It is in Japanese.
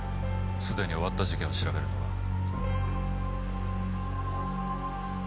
すでに終わった事件を調べるのは。